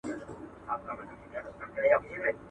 سپمولي، سپو خوړلي.